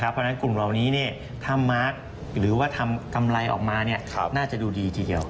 เพราะฉะนั้นกลุ่มเหล่านี้ถ้ามาร์คหรือว่าทำกำไรออกมาน่าจะดูดีทีเดียว